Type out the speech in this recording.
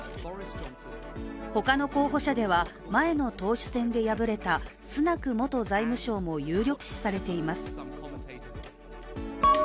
他の候補者では前の党首選で敗れたスナク元財務相も有力視されています。